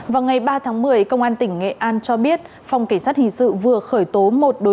vào ngày ba tháng một mươi công an tỉnh nghệ an cho biết phòng cảnh sát hình sự vừa khởi tố